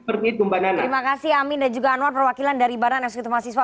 seperti itu mbak nana terima kasih amin dan juga anwar perwakilan dari barangnya sekitar mahasiswa